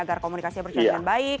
agar komunikasinya berjalan dengan baik